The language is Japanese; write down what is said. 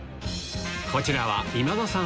こちらは今田さん